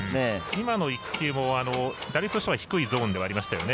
今の１球も打率としては低いゾーンですよね。